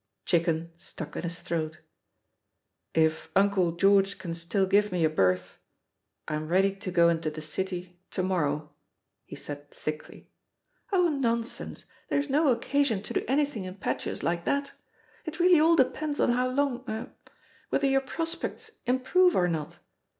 Chicken stuck in his throat. "If Uncle George can still give me a berth, I'm ready to go into the City to morrow," he said thickly. "Oh, nonsense, there's no occasion to do any THE POSITION OF PEGGY HARPER It thing impetuous like that I It really all depends on how long — er — ^whether your prospects im prove or not.